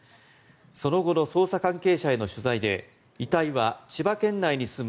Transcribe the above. その後の捜査関係者への取材で遺体は千葉県内に住む